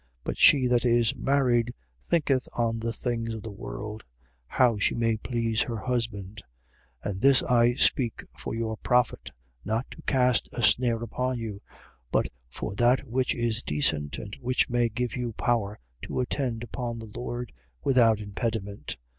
But she that is married thinketh on the things of the world: how she may please her husband. 7:35. And this I speak for your profit, not to cast a snare upon you, but for that which is decent and which may give you power to attend upon the Lord, without impediment.